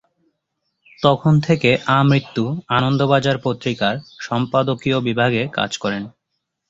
তখন থেকে আমৃত্যু আনন্দবাজার পত্রিকার সম্পাদকীয় বিভাগে কাজ করেন।